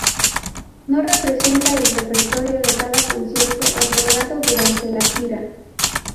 No representa el repertorio de cada concierto otorgado durante la gira.